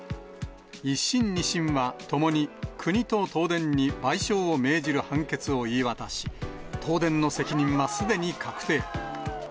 １審、２審はともに国と東電に賠償を命じる判決を言い渡し、東電の責任はすでに確定。